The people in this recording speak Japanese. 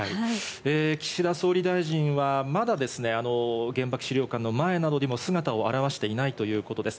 岸田総理大臣はまだ原爆資料館の前などにも姿を現していないということです。